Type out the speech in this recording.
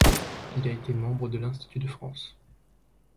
Il a été membre de l'Institut de France.